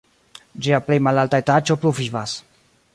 Ĝia plej malalta etaĝo pluvivas.